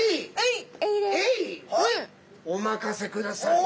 お任せください。